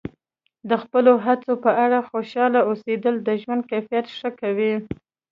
د خپلو هڅو په اړه خوشحاله اوسیدل د ژوند کیفیت ښه کوي.